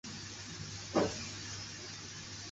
翻新期间亦进行了结构改善工程。